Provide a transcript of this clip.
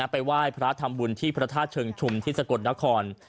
ไปไหว้พระทำบุญที่พระธาตุเชิงชุมที่สกลนคร